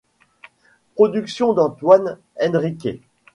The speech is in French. Production d'Antoine Henriquet.